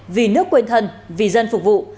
vì nước quên thân vì dân phục vụ